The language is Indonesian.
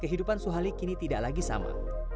kehidupan suhali kini tidak lagi sama